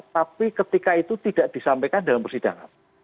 tapi ketika itu tidak disampaikan dalam persidangan